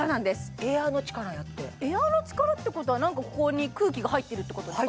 エアーの力やってエアーの力ってことは何かここに空気が入ってるってことですか？